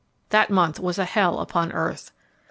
That month was a hell upon earth.